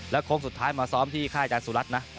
โค้งสุดท้ายมาซ้อมที่ค่ายอาจารยสุรัตน์นะ